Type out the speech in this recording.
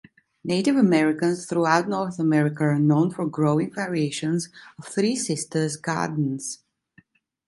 Native Americans throughout North America are known for growing variations of Three Sisters gardens.